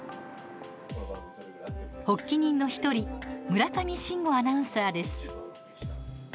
発起人の１人村上真吾アナウンサーです。